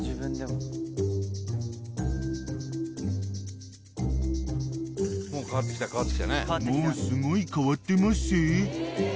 ［もうすごい変わってまっせ］